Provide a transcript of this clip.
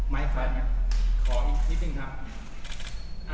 ไม่ค่ะขออีกนิดหนึ่งครับ